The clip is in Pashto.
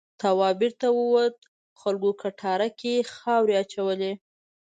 تواب بېرته ووت خلکو کټاره کې خاورې اچولې.